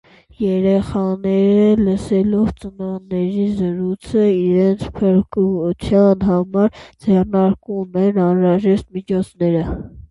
Երեխաները, լսելով ծնողների զրույցը, իրենց փրկության համար ձեռնարկում են անհրաժեշտ միջոցները։